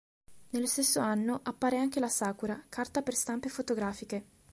Nello stesso anno appare anche la "Sakura", carta per stampe fotografiche.